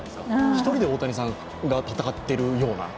１人で大谷さんが戦ってるような。